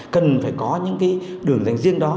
cần phải có những đường dành riêng đó